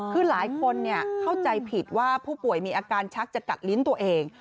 คือหลายคนเข้าใจผิดว่าผู้ป่วยมีอาการชักจะกัดลิ้นตัวเอง